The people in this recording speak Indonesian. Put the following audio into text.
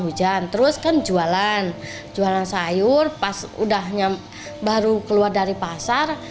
hujan terus kan jualan jualan sayur pas baru keluar dari pasar